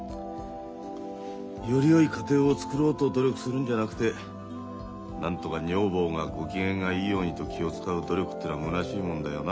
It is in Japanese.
よりよい家庭をつくろうと努力するんじゃなくてなんとか女房がご機嫌がいいようにと気を遣う努力ってのはむなしいもんだよな。